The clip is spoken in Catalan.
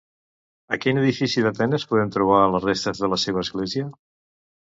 A quin edifici d'Atenes podem trobar les restes de la seva església?